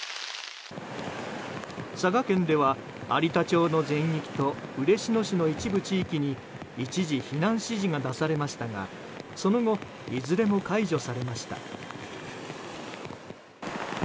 佐賀県では有田町の全域と嬉野市の一部地域に一時、避難指示が出されましたがその後いずれも解除されました。